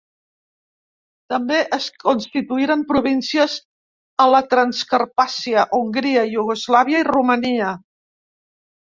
També es constituïren províncies a la Transcarpàcia, Hongria, Iugoslàvia i Romania.